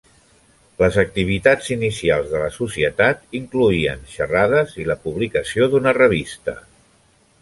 Les activitats inicials de la Societat incloïen xerrades i la publicació d'una revista.